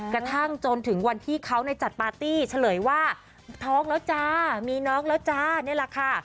กระทั่งจนถึงวันที่เขาจัดปาร์ตี้เฉลยว่าท้องแล้วจ้ามีน้องแล้วจ้านี่แหละค่ะ